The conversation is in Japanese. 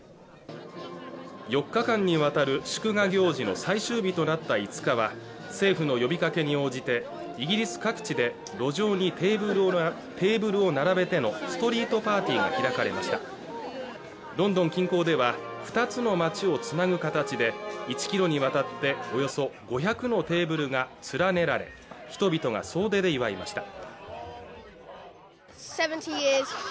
４日間にわたる祝賀行事の最終日となった５日は政府の呼びかけに応じてイギリス各地で路上にテーブルを並べてのストリートパーティーが開かれましたロンドン近郊では２つの町をつなぐ形で１キロにわたっておよそ５００のテーブルが連ねられ人々が総出で祝いました